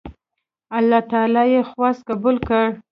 الله تعالی یې خواست قبول کړ.